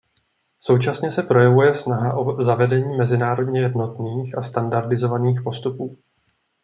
Současně se projevuje snaha o zavedení mezinárodně jednotných a standardizovaných postupů.